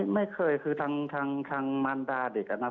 ไม่เคยคือทางมารดาเด็กอะนะ